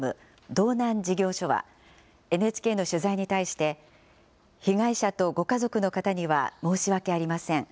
道南事業所は、ＮＨＫの取材に対して、被害者とご家族の方には申し訳ありません。